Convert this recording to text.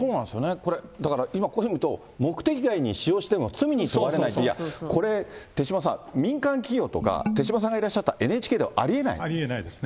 これ、今、こういうふうにいうと、目的以外に使用しているのは罪に問われないって、いや、これ、手嶋さん、民間企業とか、手嶋さんがいらっしゃったＮＨＫではありありえないですね。